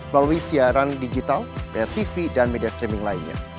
melalui siaran digital bayar tv dan media streaming lainnya